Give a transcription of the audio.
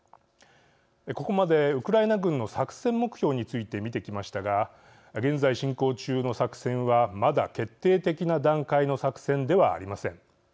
ここまでウクライナ軍の作戦目標について見てきましたが現在進行中の作戦はまだ決定的な段階の作戦ではありません。